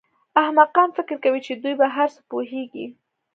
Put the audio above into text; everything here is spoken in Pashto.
احمقان فکر کوي چې دوی په هر څه پوهېږي.